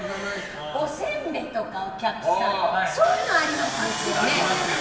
おせんべいとかそういうのありますですよね。